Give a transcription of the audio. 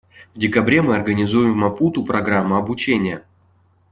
В декабре мы организуем в Мапуту программу обучения.